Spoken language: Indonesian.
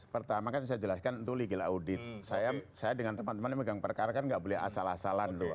pertama kan saya jelaskan untuk legal audit saya dengan teman teman yang megang perkara kan nggak boleh asal asalan tuh